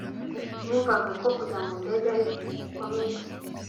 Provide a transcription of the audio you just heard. numvaga ko kujya mu ndege ari ikintu gikomeye